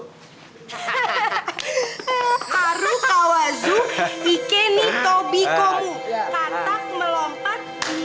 haru kawazu ikeni tobikomu katak melompat di